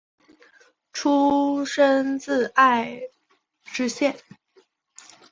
出身自爱知县。